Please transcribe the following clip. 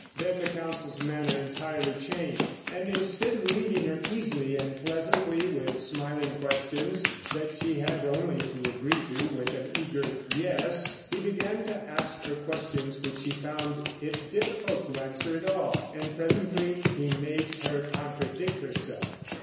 Then the counsel's manner, entirely changed, and instead of leading her easily and pleasantly with smiling questions that she had only to agree to with an eager "Yes," he began to ask her questions which she found it difficult to answer at all; and presently he made her contradict herself.